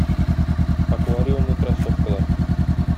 Аквариумлы кроссовкалар